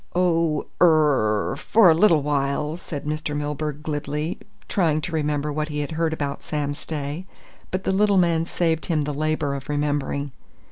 "Oh er for a little while," said Mr. Milburgh glibly, trying to remember what he had heard about Sam Stay. But the little man saved him the labour of remembering.